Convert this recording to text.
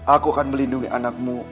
aku akan melindungi anakmu